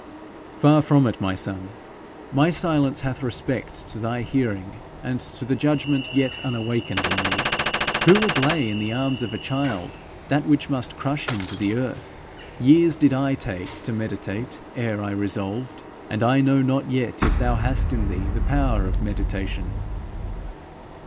'Far from it, my son. My silence hath respect to thy hearing and to the judgment yet unawakened in thee. Who would lay in the arms of a child that which must crush him to the earth? Years did I take to meditate ere I resolved, and I know not yet if thou hast in thee the power of meditation.'